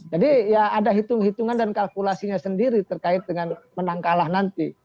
jadi ya ada hitung hitungan dan kalkulasinya sendiri terkait dengan menang kalah nanti